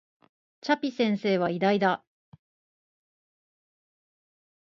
チャピ先生は偉大だ